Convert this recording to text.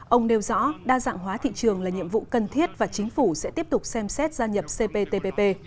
ông nêu rõ đa dạng hóa thị trường là nhiệm vụ cần thiết và chính phủ sẽ tiếp tục xem xét gia nhập cptpp